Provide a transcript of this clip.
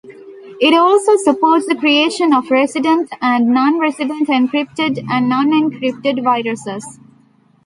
It also supports the creation of resident and non-resident encrypted and non-encrypted viruses.